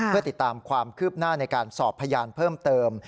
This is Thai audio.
เพื่อติดตามความคืบหน้าในการสอบพยานเพิ่มเติม